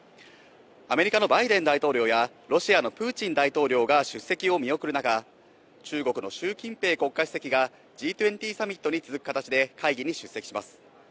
アメリカのバイデン大統領やロシアのプーチン大統領が出席を見送る中、中国のシュウ・キンペイ国家主席がＧ２０サミットに続く形で会議に出席します。